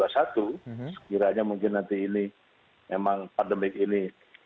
sekiranya mungkin nanti ini memang pandemik ini